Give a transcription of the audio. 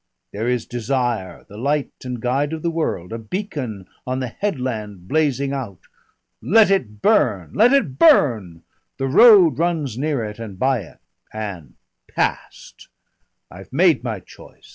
There is Desire, the light and guide of the world, a beacon on a headland blazing out. Let it burn! Let it burn! The road runs near it and by it and past.... I've made my choice.